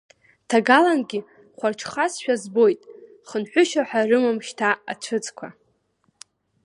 Ҭагалангьы хәарҽхазшәа збоит, хынҳәышьа ҳәа рымам шьҭа ацәыӡқәа.